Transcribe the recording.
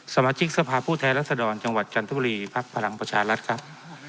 สมาชิกสภาพผู้แทนรัศดรจังหวัดจันทบุรีภักดิ์พลังประชารัฐครับ